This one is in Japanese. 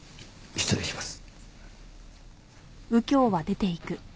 失礼します。